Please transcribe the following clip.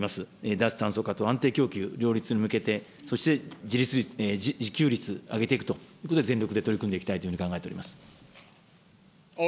脱炭素化と安定供給両立に向けて、そして自給率上げていくということで、全力で取り組んでいきたいというふうに考えております。